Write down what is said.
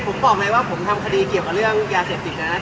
ผมบอกไว้ว่าผมทำคดีเกี่ยวกับเรื่องยาเสียจิตนะครับ